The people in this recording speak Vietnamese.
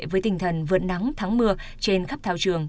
với tinh thần vượt nắng thắng mưa trên khắp thao trường